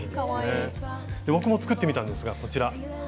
僕も作ってみたんですがこちら。